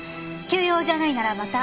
急用じゃないならまた。